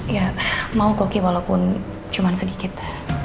ya mau kok ki walaupun cuman sedikit